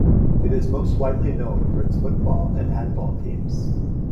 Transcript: It is most widely known for its football and handball teams.